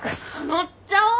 乗っちゃおう！